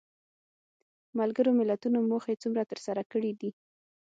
ملګرو ملتونو موخې څومره تر سره کړې دي؟